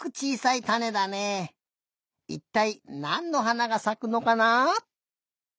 いったいなんのはながさくのかな？